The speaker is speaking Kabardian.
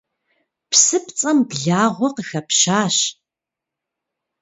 Псыпцӏэм благъуэ къыхэпщащ.